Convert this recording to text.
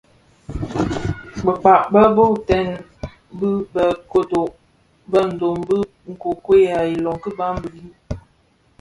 Bëkpag be boytèn bi bë kodo bë ndom bi nkokuei a ilön ki Babimbi.